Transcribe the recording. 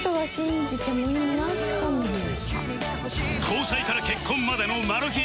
交際から結婚までのマル秘